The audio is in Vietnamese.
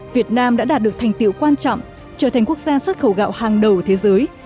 việt nam đã đạt được thành tiệu quan trọng trở thành quốc gia xuất khẩu gạo hàng đầu thế giới